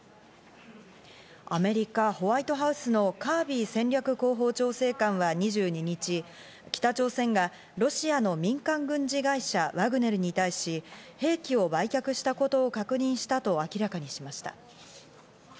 アメリカ・ホワイトハウスのカービー戦略広報調整官は２２日、北朝鮮がロシアの民間軍事会社ワグネルに対し、兵器を売却したことを確認したと明らかにしました。